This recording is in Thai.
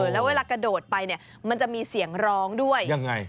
แล้วเวลากระโดดไปมันจะมีเสียงร้องด้วย